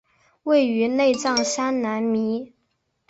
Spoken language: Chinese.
位于内藏山南麓。